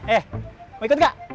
eh mau ikut gak